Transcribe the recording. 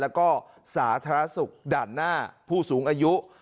แล้วก็สาธารณสุขด่านหน้าผู้สูงอายุ